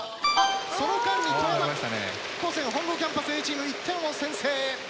その間に富山高専本郷キャンパスＡチーム１点を先制。